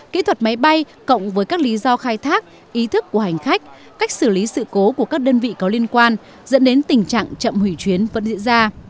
kỹ thuật máy bay cộng với các lý do khai thác ý thức của hành khách cách xử lý sự cố của các đơn vị có liên quan dẫn đến tình trạng chậm hủy chuyến vẫn diễn ra